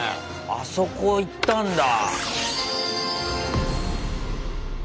あそこ行ったんだ！